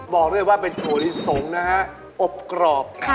บอกด้วยว่าเป็นถั่วลิสงนะฮะอบกรอบ